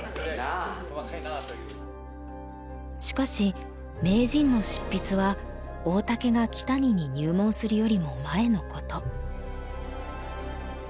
しかし「名人」の執筆は大竹が木谷に入門するよりも前のこと。